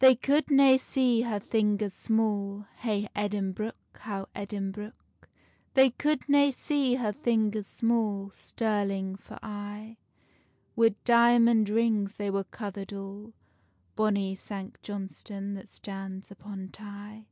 They could nae see her fingers small, Hey Edinbruch, how Edinbruch. They could nae see her fingers small, Stirling for aye: Wi' diamond rings they were cover'd all, Bonny Sanct Johnstonne that stands upon Tay.